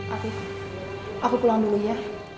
aktif aku pulang dulu ya